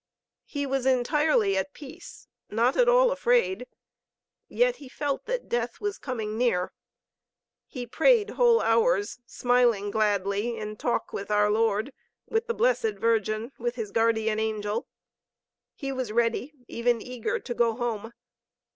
He was entirely at peace, not at all afraid. Yet he felt that death was coming near. He prayed whole hours, smiling gladly in talk with our Lord, with the Blessed Virgin, with his guardian angel. He was ready, even eager, to go home.